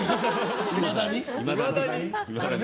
いまだに？